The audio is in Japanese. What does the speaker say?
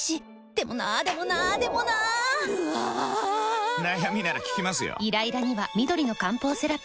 でもなーでもなーでもなーぬあぁぁぁー！！！悩みなら聞きますよ。